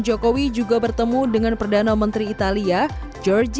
jokowi juga bertemu dengan presiden jokowi